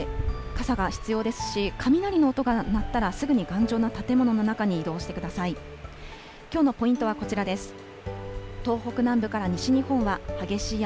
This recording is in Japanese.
傘が必要ですし雷の音が鳴ったらすぐに頑丈な建物の中に移動してください。